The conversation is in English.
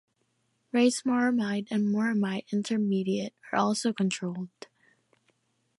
Racemoramide and moramide intermediate are also controlled.